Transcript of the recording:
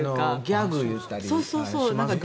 ギャグを言ったりしますからね。